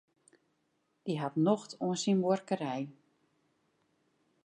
Dy hat nocht oan syn buorkerij.